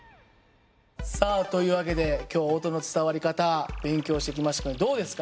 さあという訳で今日は音の伝わり方勉強してきましたけどどうですか？